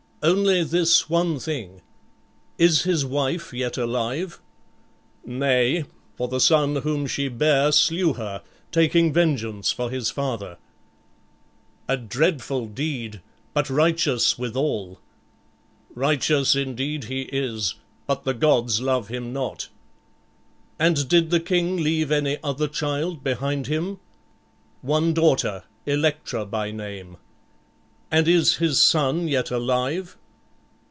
"Only this one thing. Is his wife yet alive?" "Nay; for the son whom she bare slew her, taking vengeance for his father." "A dreadful deed, but righteous withal." "Righteous indeed he is, but the gods love him not." "And did the king leave any other child behind him?" "One daughter, Electra by name." "And is his son yet alive?"